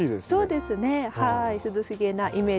そうですねはい。